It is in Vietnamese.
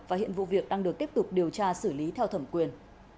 và hiện vụ việc đang được tiếp tục điều tra xử lý theo thẩm quyền